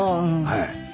はい。